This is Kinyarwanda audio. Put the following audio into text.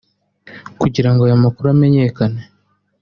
Kugira ngo aya makuru amenyekane